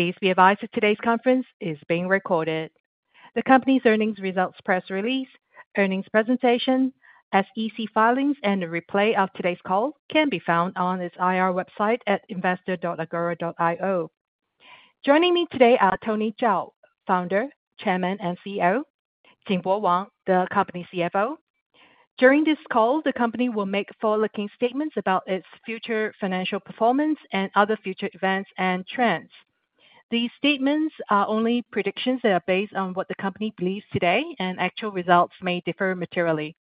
Please be advised that today's conference is being recorded. The company's earnings results press release, earnings presentation, SEC filings, and a replay of today's call can be found on its IR website at investor.agora.io. Joining me today are Tony Zhao, Founder, Chairman, and CEO; Jingbo Wang, the company CFO. During this call, the company will make forward-looking statements about its future financial performance and other future events and trends. These statements are only predictions that are based on what the company believes today, and actual results may differ materially.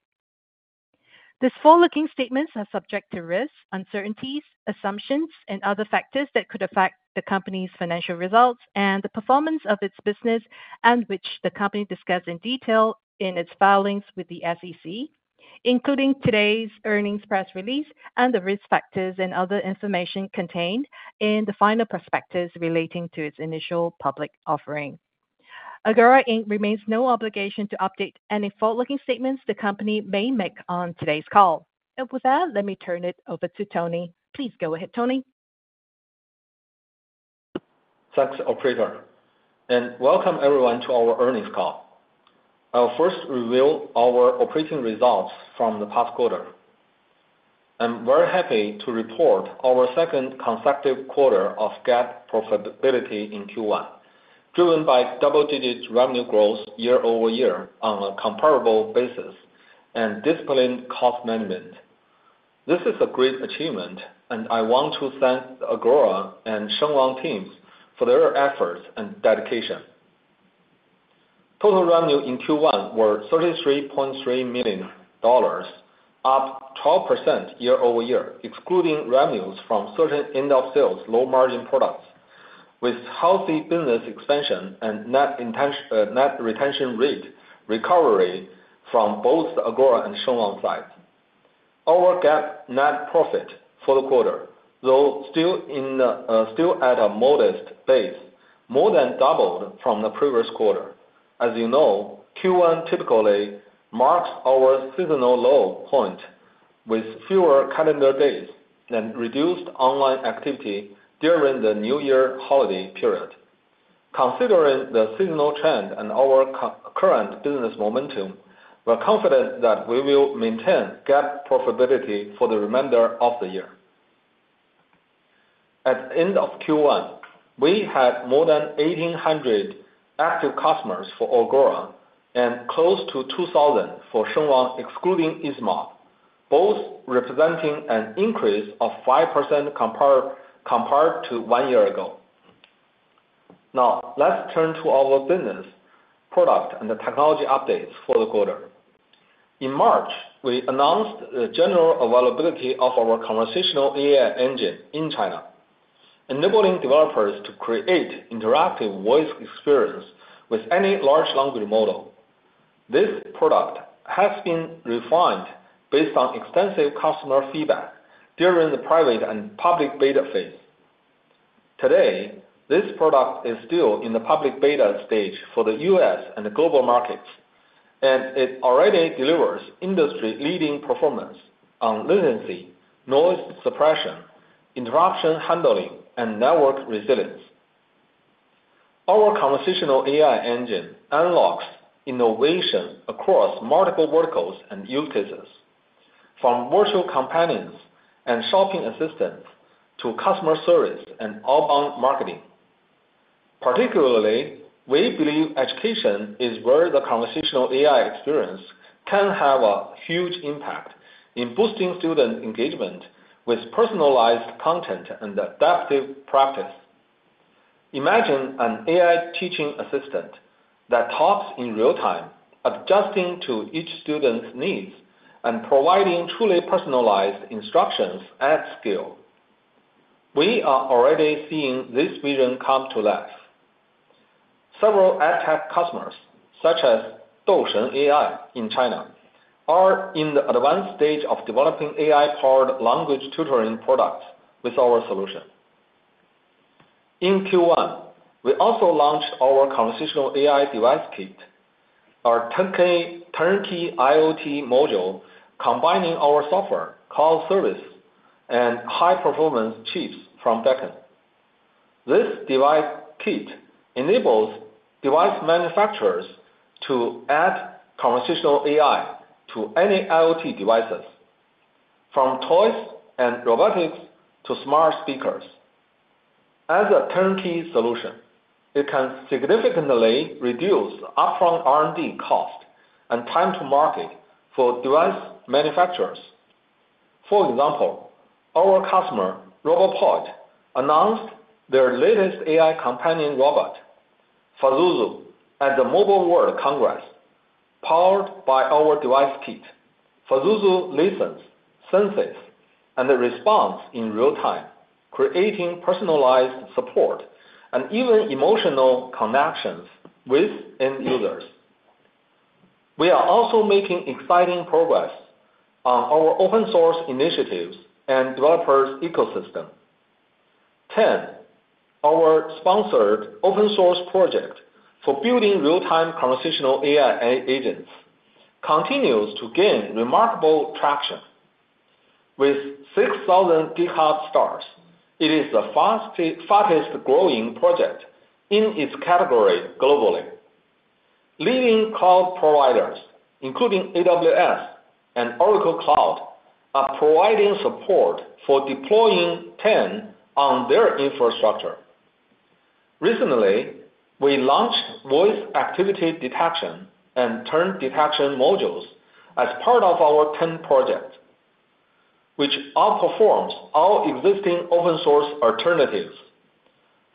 These forward-looking statements are subject to risks, uncertainties, assumptions, and other factors that could affect the company's financial results and the performance of its business, which the company discusses in detail in its filings with the SEC, including today's earnings press release and the risk factors and other information contained in the final prospectus relating to its initial public offering. Agora remains no obligation to update any forward-looking statements the company may make on today's call. With that, let me turn it over to Tony. Please go ahead, Tony. Thanks, Operator. Welcome everyone to our earnings call. I'll first reveal our operating results from the past quarter. I'm very happy to report our second consecutive quarter of GAAP profitability in Q1, driven by double-digit revenue growth year over year on a comparable basis and disciplined cost management. This is a great achievement, and I want to thank Agora and Shengwang teams for their efforts and dedication. Total revenue in Q1 was $33.3 million, up 12% year over year, excluding revenues from certain end-of-sales low-margin products, with healthy business expansion and net retention rate recovery from both Agora and Shengwang sides. Our GAAP net profit for the quarter, though still at a modest base, more than doubled from the previous quarter. As you know, Q1 typically marks our seasonal low point, with fewer calendar days and reduced online activity during the New Year holiday period. Considering the seasonal trend and our current business momentum, we're confident that we will maintain GAAP profitability for the remainder of the year. At the end of Q1, we had more than 1,800 active customers for Agora and close to 2,000 for Shengwang, excluding ESMA, both representing an increase of 5% compared to one year ago. Now, let's turn to our business product and the technology updates for the quarter. In March, we announced the general availability of our Conversational AI Engine in China, enabling developers to create interactive voice experiences with any large language model. This product has been refined based on extensive customer feedback during the private and public beta phase. Today, this product is still in the public beta stage for the US and global markets, and it already delivers industry-leading performance on latency, noise suppression, interruption handling, and network resilience. Our conversational AI engine unlocks innovation across multiple verticals and use cases, from virtual companions and shopping assistants to customer service and outbound marketing. Particularly, we believe education is where the conversational AI experience can have a huge impact in boosting student engagement with personalized content and adaptive practice. Imagine an AI teaching assistant that talks in real time, adjusting to each student's needs and providing truly personalized instructions at scale. We are already seeing this vision come to life. Several ad-tech customers, such as Dousheng AI in China, are in the advanced stage of developing AI-powered language tutoring products with our solution. In Q1, we also launched our conversational AI device kit, our turnkey IoT module combining our software, cloud service, and high-performance chips from DECON. This device kit enables device manufacturers to add conversational AI to any IoT devices, from toys and robotics to smart speakers. As a turnkey solution, it can significantly reduce upfront R&D cost and time to market for device manufacturers. For example, our customer, RoboPoint, announced their latest AI companion robot, Fuzuzu, at the Mobile World Congress, powered by our device kit. Fuzuzu listens, senses, and responds in real time, creating personalized support and even emotional connections with end users. We are also making exciting progress on our open-source initiatives and developer ecosystem. Our sponsored open-source project for building real-time conversational AI agents continues to gain remarkable traction. With 6,000 GitHub stars, it is the fastest-growing project in its category globally. Leading cloud providers, including AWS and Oracle Cloud, are providing support for deploying it on their infrastructure. Recently, we launched voice activity detection and turn detection modules as part of our open-source projects, which outperform all existing open-source alternatives,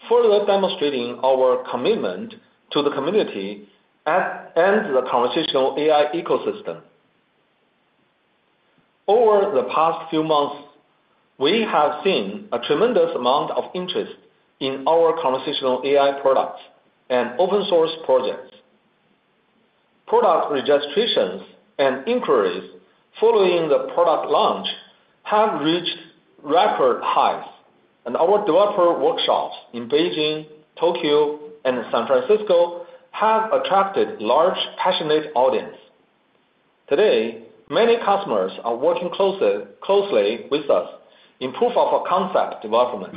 further demonstrating our commitment to the community and the conversational AI ecosystem. Over the past few months, we have seen a tremendous amount of interest in our conversational AI products and open-source projects. Product registrations and inquiries following the product launch have reached record highs, and our developer workshops in Beijing, Tokyo, and San Francisco have attracted large passionate audiences. Today, many customers are working closely with us in proof of concept development.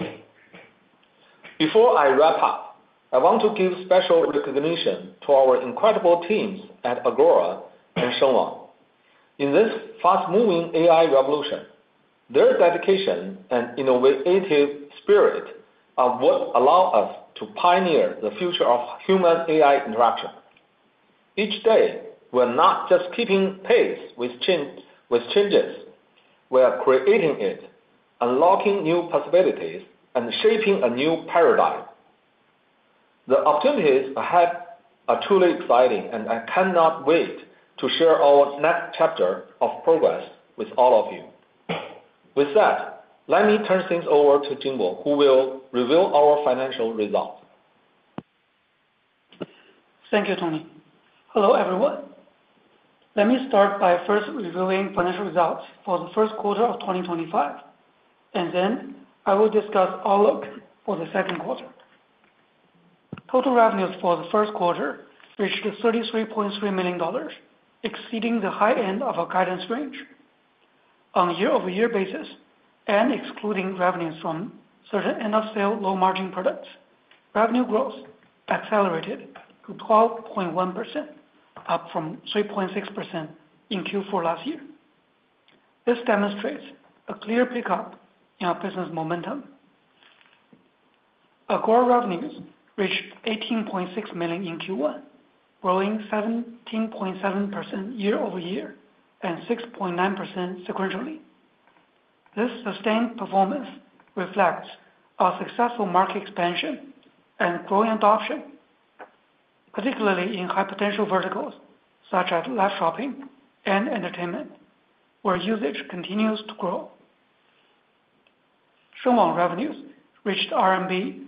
Before I wrap up, I want to give special recognition to our incredible teams at Agora and Shengwang. In this fast-moving AI revolution, their dedication and innovative spirit will allow us to pioneer the future of human-AI interaction. Each day, we're not just keeping pace with changes; we are creating it, unlocking new possibilities, and shaping a new paradigm. The opportunities ahead are truly exciting, and I cannot wait to share our next chapter of progress with all of you. With that, let me turn things over to Jingbo, who will reveal our financial results. Thank you, Tony. Hello, everyone. Let me start by first revealing financial results for the first quarter of 2025, and then I will discuss outlook for the second quarter. Total revenues for the first quarter reached $33.3 million, exceeding the high end of our guidance range. On a year-over-year basis, and excluding revenues from certain end-of-sale low-margin products, revenue growth accelerated to 12.1%, up from 3.6% in Q4 last year. This demonstrates a clear pickup in our business momentum. Agora revenues reached $18.6 million in Q1, growing 17.7% year over year and 6.9% sequentially. This sustained performance reflects our successful market expansion and growing adoption, particularly in high-potential verticals such as live shopping and entertainment, where usage continues to grow. Shengwang revenues reached RMB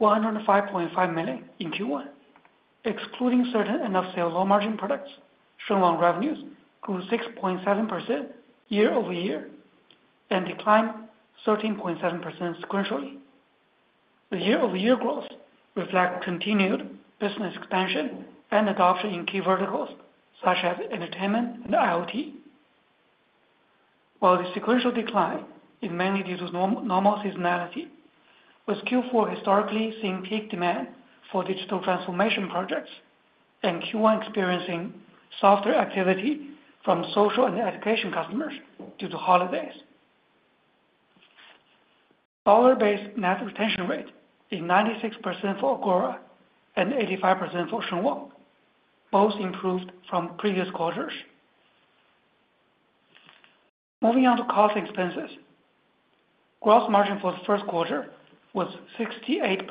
105.5 million in Q1. Excluding certain end-of-sale low-margin products, Shengwang revenues grew 6.7% year over year and declined 13.7% sequentially. The year-over-year growth reflects continued business expansion and adoption in key verticals such as entertainment and IoT. While the sequential decline is mainly due to normal seasonality, with Q4 historically seeing peak demand for digital transformation projects and Q1 experiencing softer activity from social and education customers due to holidays. Dollar-based net retention rate is 96% for Agora and 85% for Shengwang, both improved from previous quarters. Moving on to cost expenses, gross margin for the first quarter was 68%.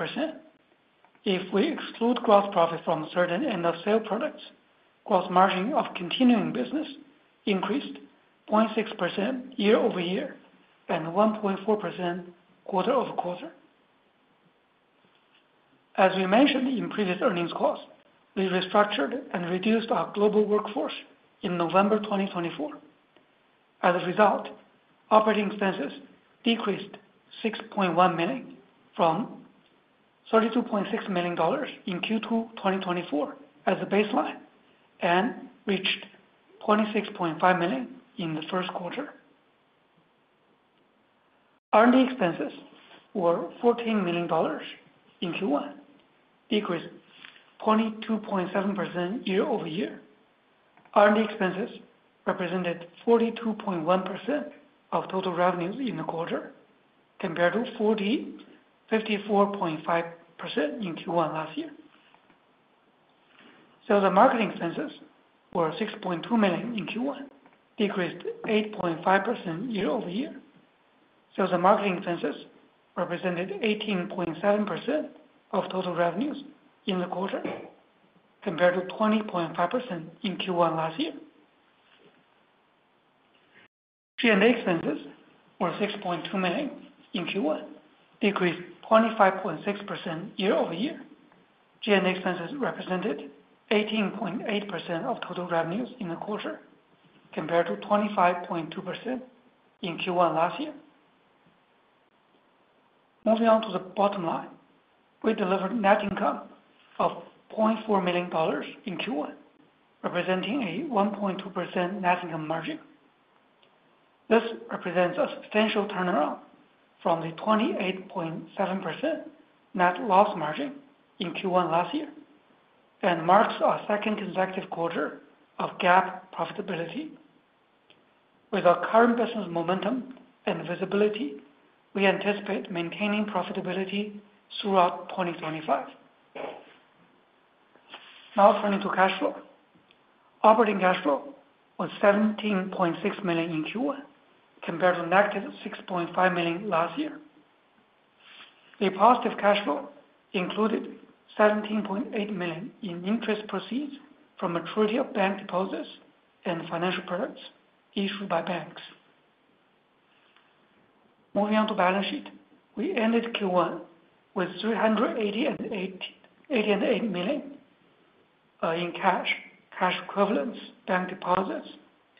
If we exclude gross profit from certain end-of-sale products, gross margin of continuing business increased 0.6% year over year and 1.4% quarter over quarter. As we mentioned in previous earnings calls, we restructured and reduced our global workforce in November 2024. As a result, operating expenses decreased $6.1 million from $32.6 million in Q2 2024 as a baseline and reached $26.5 million in the first quarter. R&D expenses were $14 million in Q1, decreased 22.7% year over year. R&D expenses represented 42.1% of total revenues in the quarter, compared to 54.5% in Q1 last year. Sales and marketing expenses were $6.2 million in Q1, decreased 8.5% year over year. Sales and marketing expenses represented 18.7% of total revenues in the quarter, compared to 20.5% in Q1 last year. G&A expenses were $6.2 million in Q1, decreased 25.6% year over year. G&A expenses represented 18.8% of total revenues in the quarter, compared to 25.2% in Q1 last year. Moving on to the bottom line, we delivered net income of $0.4 million in Q1, representing a 1.2% net income margin. This represents a substantial turnaround from the 28.7% net loss margin in Q1 last year and marks our second consecutive quarter of GAAP profitability. With our current business momentum and visibility, we anticipate maintaining profitability throughout 2025. Now turning to cash flow. Operating cash flow was $17.6 million in Q1, compared to a negative $6.5 million last year. The positive cash flow included $17.8 million in interest proceeds from a majority of bank deposits and financial products issued by banks. Moving on to balance sheet, we ended Q1 with $388 million in cash, cash equivalents, bank deposits,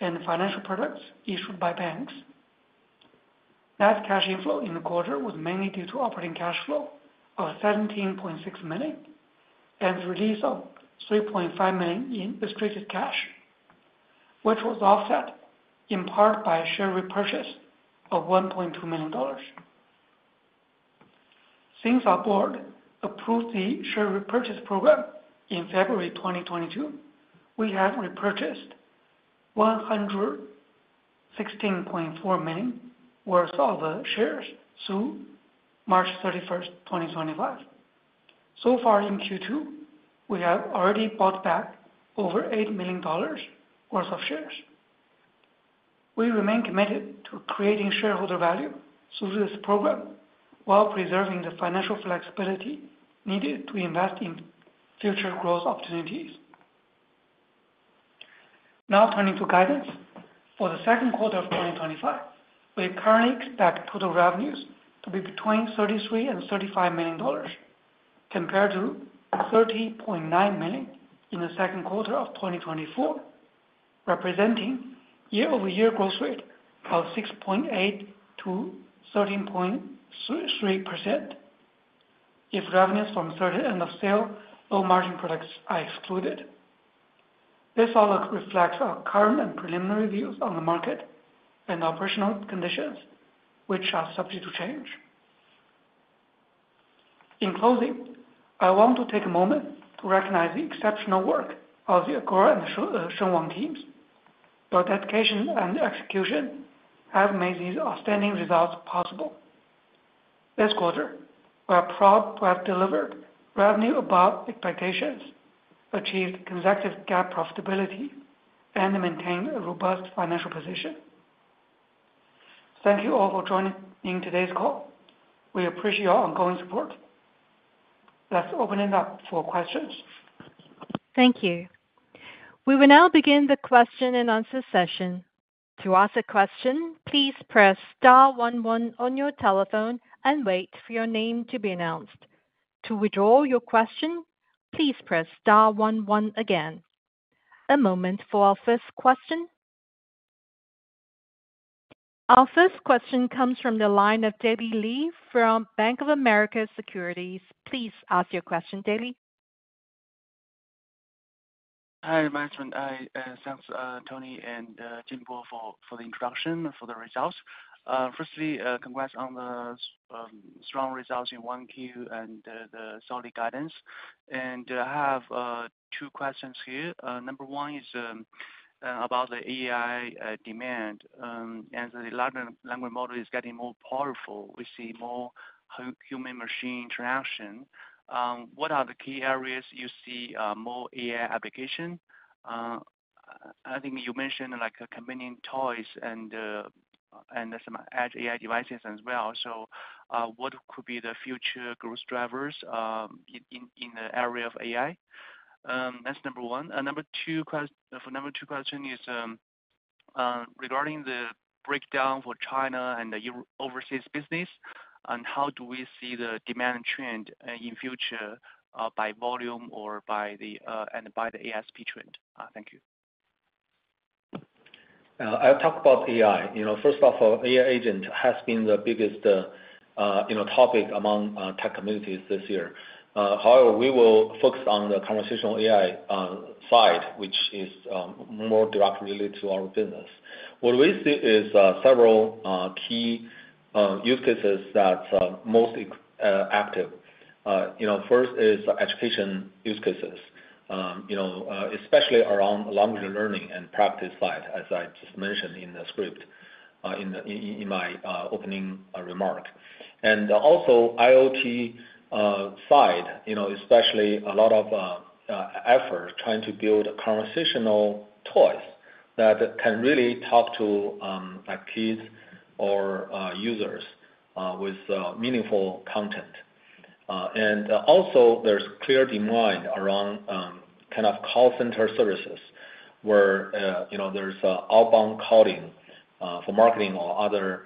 and financial products issued by banks. Net cash inflow in the quarter was mainly due to operating cash flow of $17.6 million and the release of $3.5 million in restricted cash, which was offset in part by share repurchase of $1.2 million. Since our board approved the share repurchase program in February 2022, we have repurchased $116.4 million worth of shares through March 31, 2025. So far in Q2, we have already bought back over $8 million worth of shares. We remain committed to creating shareholder value through this program while preserving the financial flexibility needed to invest in future growth opportunities. Now turning to guidance. For the second quarter of 2025, we currently expect total revenues to be between $33 million and $35 million, compared to $30.9 million in the second quarter of 2024, representing year-over-year growth rate of 6.8% to 13.3% if revenues from certain end-of-sale low-margin products are excluded. This outlook reflects our current and preliminary views on the market and operational conditions, which are subject to change. In closing, I want to take a moment to recognize the exceptional work of the Agora and Shengwang teams. Their dedication and execution have made these outstanding results possible. This quarter, we are proud to have delivered revenue above expectations, achieved consecutive GAAP profitability, and maintained a robust financial position. Thank you all for joining today's call. We appreciate your ongoing support. Let's open it up for questions. Thank you. We will now begin the question and answer session. To ask a question, please press *11 on your telephone and wait for your name to be announced. To withdraw your question, please press *11 again. A moment for our first question. Our first question comes from the line of Debbie Lee from Bank of America Securities. Please ask your question, Debbie. Hi, Management. Thanks, Tony and Jingbo, for the introduction and for the results. Firstly, congrats on the strong results in Q1 and the solid guidance. I have two questions here. Number one is about the AI demand. As the large language model is getting more powerful, we see more human-machine interaction. What are the key areas you see more AI application? I think you mentioned convenience toys and some edge AI devices as well. What could be the future growth drivers in the area of AI? That's number one. Number two is regarding the breakdown for China and the overseas business, and how do we see the demand trend in future by volume and by the ASP trend? Thank you. I'll talk about AI. First off, AI agent has been the biggest topic among tech communities this year. However, we will focus on the conversational AI side, which is more directly related to our business. What we see is several key use cases that are most active. First is education use cases, especially around language learning and practice side, as I just mentioned in the script in my opening remark. Also, IoT side, especially a lot of effort trying to build conversational toys that can really talk to kids or users with meaningful content. There is clear demand around kind of call center services where there is outbound calling for marketing or other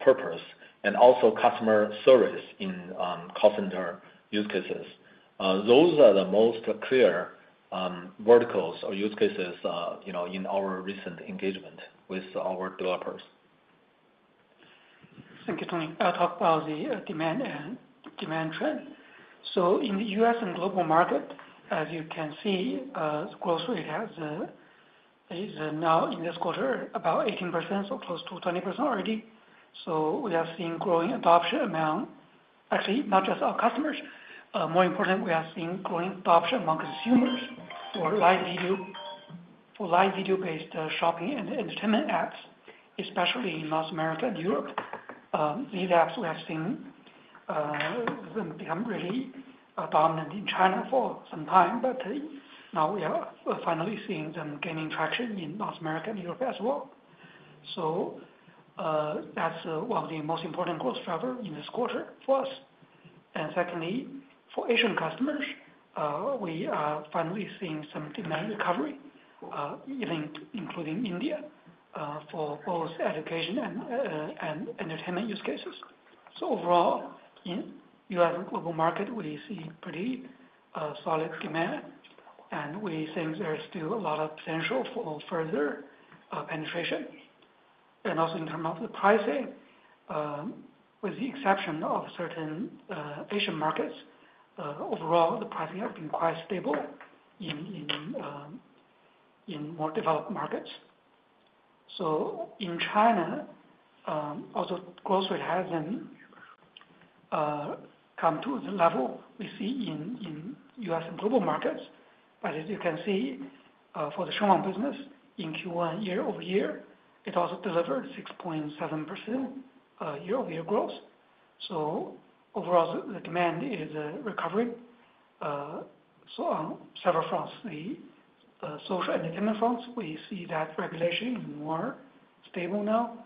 purpose, and also customer service in call center use cases. Those are the most clear verticals or use cases in our recent engagement with our developers. Thank you, Tony. I'll talk about the demand trend. In the US and global market, as you can see, the growth rate is now in this quarter about 18%, so close to 20% already. We have seen growing adoption among actually, not just our customers. More important, we have seen growing adoption among consumers for live video-based shopping and entertainment apps, especially in North America and Europe. These apps, we have seen them become really dominant in China for some time, but now we are finally seeing them gaining traction in North America and Europe as well. That is one of the most important growth drivers in this quarter for us. Secondly, for Asian customers, we are finally seeing some demand recovery, including India, for both education and entertainment use cases. Overall, in the US and global market, we see pretty solid demand, and we think there's still a lot of potential for further penetration. Also, in terms of the pricing, with the exception of certain Asian markets, overall, the pricing has been quite stable in more developed markets. In China, also, growth rate hasn't come to the level we see in US and global markets. As you can see, for the Shengwang business in Q1, year-over-year, it also delivered 6.7% year-over-year growth. Overall, the demand is recovering. On several fronts, the social entertainment fronts, we see that regulation is more stable now.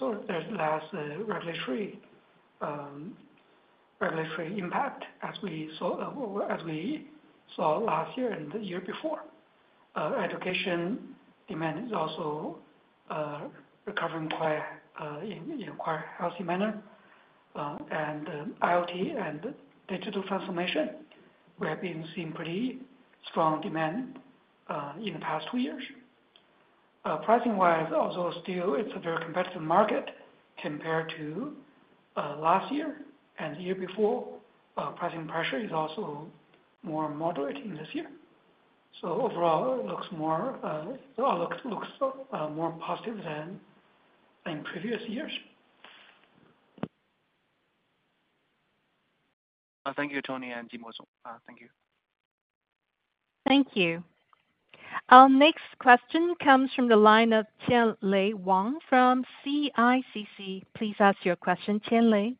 There's less regulatory impact as we saw last year and the year before. Education demand is also recovering in a quite healthy manner. IoT and digital transformation, we have been seeing pretty strong demand in the past two years. Pricing-wise, although still it's a very competitive market compared to last year and the year before, pricing pressure is also more moderate in this year. Overall, it looks more positive than in previous years. Thank you, Tony and Jingbo. Thank you. Thank you. Our next question comes from the line of Tian Lei Wang from CICC. Please ask your question, Tian Lei.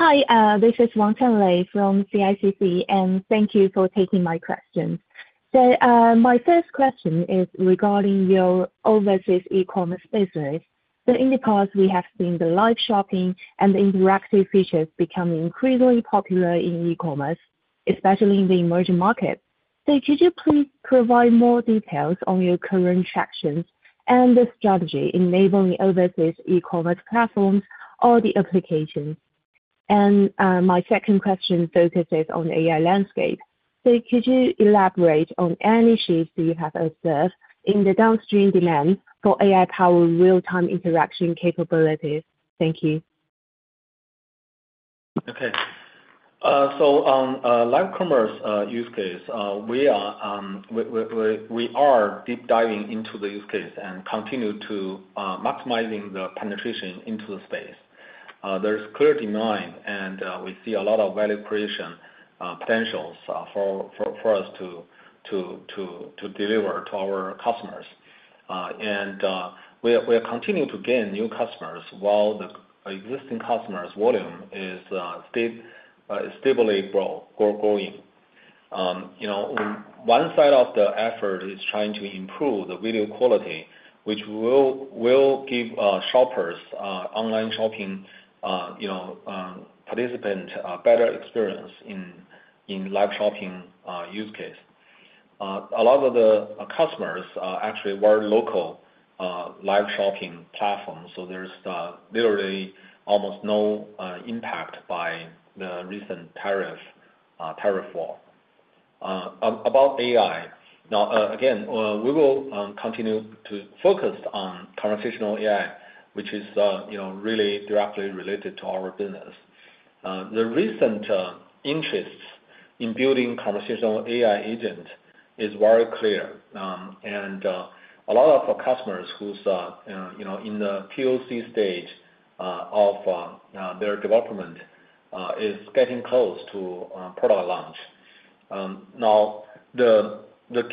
Hi, this is Tian Lei Wang from CICC, and thank you for taking my questions. My first question is regarding your overseas e-commerce business. In the past, we have seen live shopping and interactive features becoming increasingly popular in e-commerce, especially in the emerging markets. Could you please provide more details on your current tractions and the strategy enabling overseas e-commerce platforms or the applications? My second question focuses on the AI landscape. Could you elaborate on any shifts you have observed in the downstream demand for AI-powered real-time interaction capabilities? Thank you. Okay. On live commerce use case, we are deep diving into the use case and continue to maximize the penetration into the space. There is clear demand, and we see a lot of value creation potentials for us to deliver to our customers. We are continuing to gain new customers while the existing customers' volume is stably growing. One side of the effort is trying to improve the video quality, which will give shoppers, online shopping participants, a better experience in live shopping use case. A lot of the customers actually were local live shopping platforms, so there is literally almost no impact by the recent tariff war. About AI, again, we will continue to focus on conversational AI, which is really directly related to our business. The recent interest in building conversational AI agents is very clear, and a lot of our customers who are in the POC stage of their development are getting close to product launch. Now, the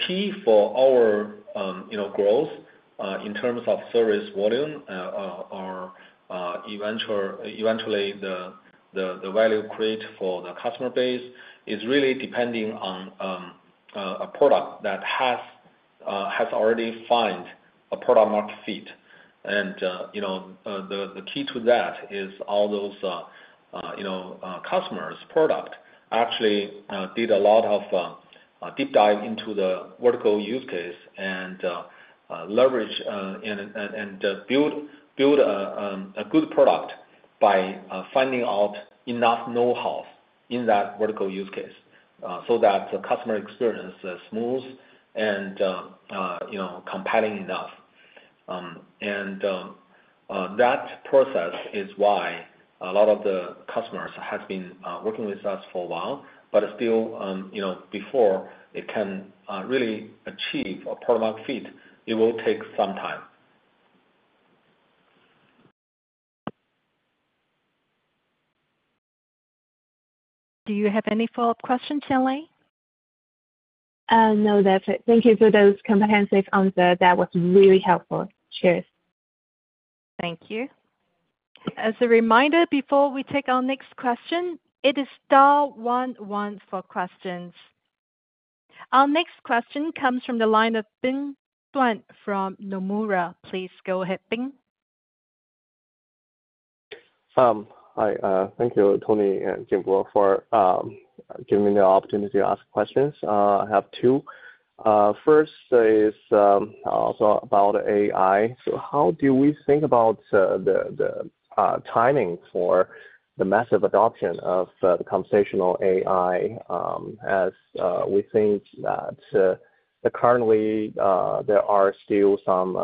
key for our growth in terms of service volume or eventually the value created for the customer base is really depending on a product that has already found a product-market fit. The key to that is all those customers' products actually did a lot of deep dive into the vertical use case and leverage and build a good product by finding out enough know-how in that vertical use case so that the customer experience is smooth and compelling enough. That process is why a lot of the customers have been working with us for a while, but still, before it can really achieve a product-market fit, it will take some time. Do you have any follow-up questions, Tian Lei? No, that's it. Thank you for those comprehensive answers. That was really helpful. Cheers. Thank you. As a reminder, before we take our next question, it is *11 for questions. Our next question comes from the line of Bing Xuan from Nomura. Please go ahead, Bing. Hi. Thank you, Tony and Jingbo, for giving me the opportunity to ask questions. I have two. First is also about AI. How do we think about the timing for the massive adoption of conversational AI as we think that currently there are still some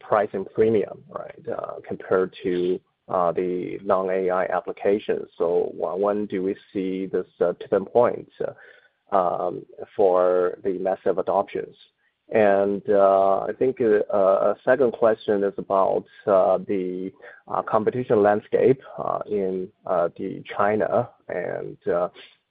pricing premium, right, compared to the non-AI applications? When do we see this tipping point for the massive adoptions? I think a second question is about the competition landscape in China and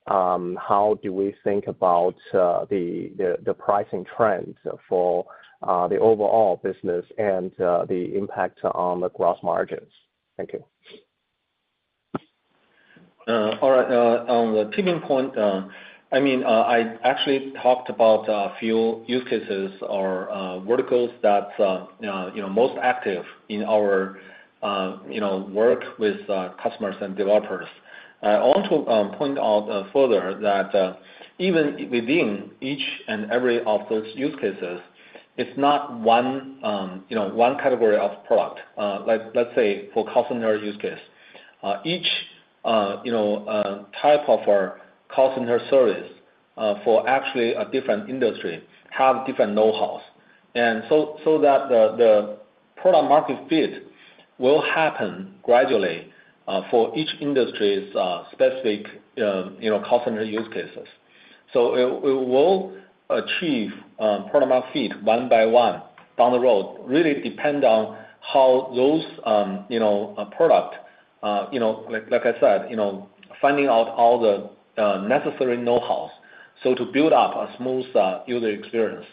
how do we think about the pricing trends for the overall business and the impact on the gross margins? Thank you. All right. On the tipping point, I mean, I actually talked about a few use cases or verticals that are most active in our work with customers and developers. I want to point out further that even within each and every of those use cases, it's not one category of product. Let's say for customer use case, each type of our customer service for actually a different industry has different know-hows. That the product-market fit will happen gradually for each industry's specific customer use cases. We will achieve product-market fit one by one down the road, really depending on how those products, like I said, finding out all the necessary know-hows to build up a smooth user experience.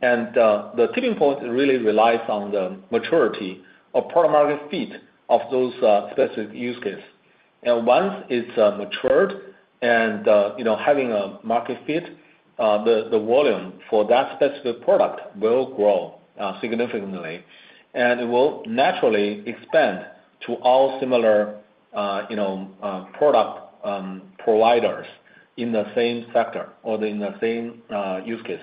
The tipping point really relies on the maturity or product-market fit of those specific use cases. Once it is matured and having a market fit, the volume for that specific product will grow significantly. It will naturally expand to all similar product providers in the same sector or in the same use case,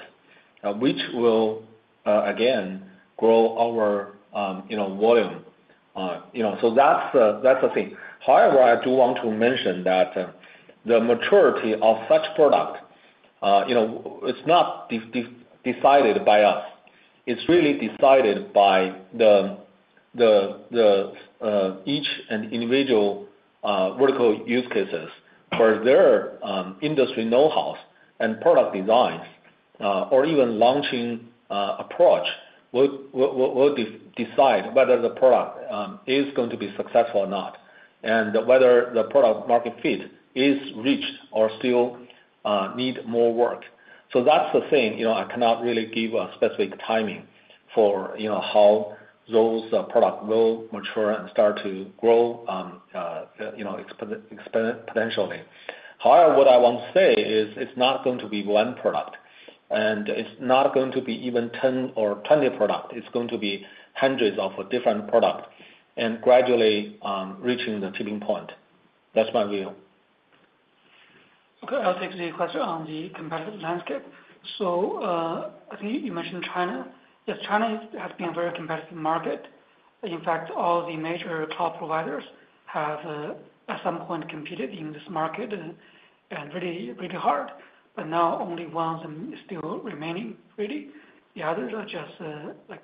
which will, again, grow our volume. That is the thing. However, I do want to mention that the maturity of such product is not decided by us. It is really decided by each and individual vertical use cases for their industry know-hows and product designs, or even launching approach will decide whether the product is going to be successful or not, and whether the product-market fit is reached or still needs more work. That is the thing. I cannot really give a specific timing for how those products will mature and start to grow potentially. However, what I want to say is it's not going to be one product, and it's not going to be even 10 or 20 products. It's going to be hundreds of different products and gradually reaching the tipping point. That's my view. Okay. I'll take the question on the competitive landscape. I think you mentioned China. Yes, China has been a very competitive market. In fact, all the major cloud providers have at some point competed in this market and really hard. Now only one of them is still remaining, really. The others are just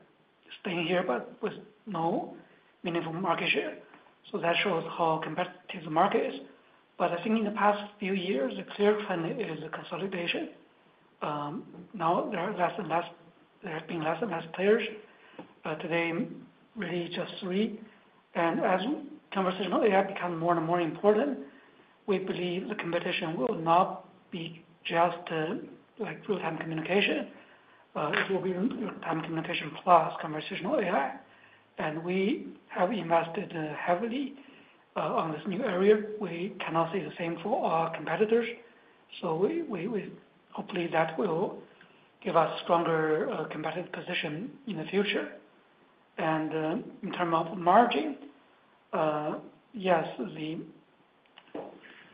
staying here but with no meaningful market share. That shows how competitive the market is. I think in the past few years, the clear trend is consolidation. There have been less and less players. Today, really just three. As conversational AI becomes more and more important, we believe the competition will not be just real-time communication. It will be real-time communication plus conversational AI. We have invested heavily on this new area. We cannot say the same for our competitors. Hopefully, that will give us a stronger competitive position in the future. In terms of margin, yes, the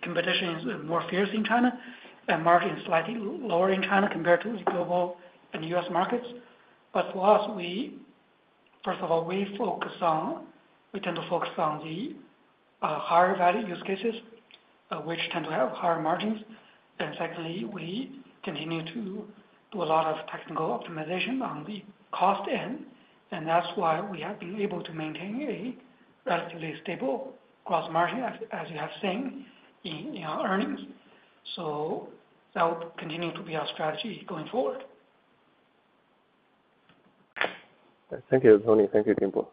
competition is more fierce in China, and margin is slightly lower in China compared to the global and US markets. For us, first of all, we tend to focus on the higher-value use cases, which tend to have higher margins. Secondly, we continue to do a lot of technical optimization on the cost end. That is why we have been able to maintain a relatively stable gross margin, as you have seen in our earnings. That will continue to be our strategy going forward. Thank you, Tony. Thank you, Jingbo.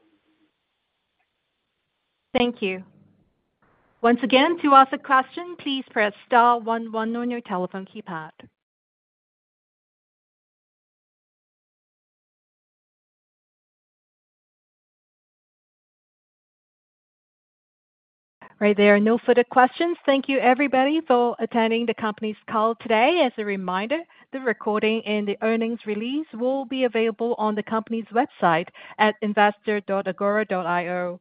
Thank you. Once again, to ask a question, please press *11 on your telephone keypad. All right. There are no further questions. Thank you, everybody, for attending the company's call today. As a reminder, the recording and the earnings release will be available on the company's website at investor.agora.io.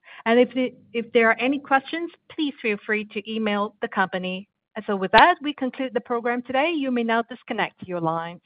If there are any questions, please feel free to email the company. With that, we conclude the program today. You may now disconnect your lines.